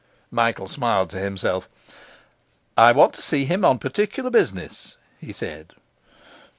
Michael smiled to himself. 'I want to see him on particular business,' he said.